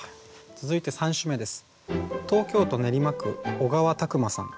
続いて３首目です。